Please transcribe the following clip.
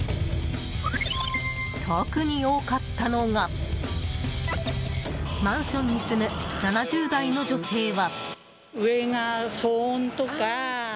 特に多かったのがマンションに住む７０代の女性は。